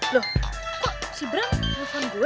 loh kok si bram nelfon gue